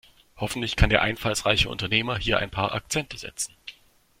Hoffentlich kann der einfallsreiche Unternehmer hier ein paar Akzente setzen.